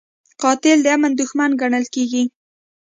قاتل د امن دښمن ګڼل کېږي